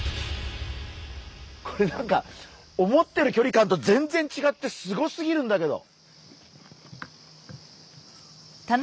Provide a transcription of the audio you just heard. これなんか思ってる距離感と全然違ってすごすぎるんだけど。